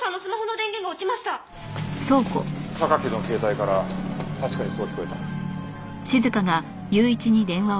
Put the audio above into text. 榊の携帯から確かにそう聞こえた。